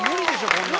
こんなの。